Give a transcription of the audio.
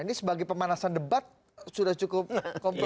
ini sebagai pemanasan debat sudah cukup komplit